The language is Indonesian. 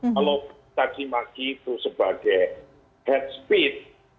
kalau mencaci maki itu sebagai head speech